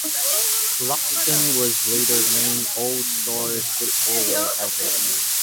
Cluxton was later named All Stars Footballer of the Year.